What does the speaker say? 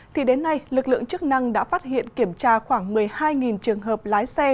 thì đến nay lực lượng chức năng đã phát hiện kiểm tra khoảng một mươi hai trường hợp lái xe